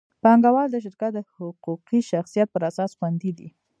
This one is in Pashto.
پانګهوال د شرکت د حقوقي شخصیت پر اساس خوندي دي.